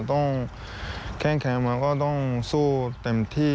มันต้องแข็งมันต้องสู้เต็มที่